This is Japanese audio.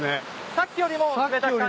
さっきよりも冷たく感じる。